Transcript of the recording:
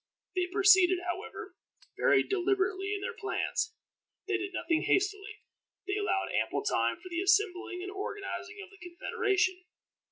They proceeded, however, very deliberately in their plans. They did nothing hastily. They allowed ample time for the assembling and organizing of the confederation.